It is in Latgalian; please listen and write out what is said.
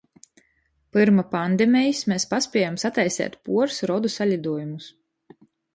Pyrma pandemejis mes paspiejom sataiseit puors rodu saliduojumus.